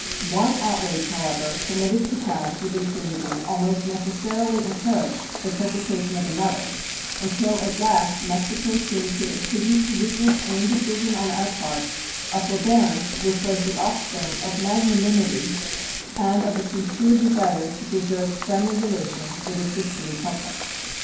One outrage, however, permitted to pass with impunity almost necessarily encouraged the perpetration of another, until at last Mexico seemed to attribute to weakness and indecision on our part a forbearance which was the offspring of magnanimity and of a sincere desire to preserve friendly relations with a sister republic.